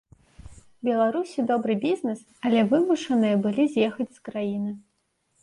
Беларусі добры бізнес, але вымушаныя былі з'ехаць з краіны.